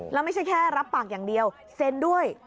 แล้วไม่ใช่แค่รับปากอย่างเดียวเซ็นด้วย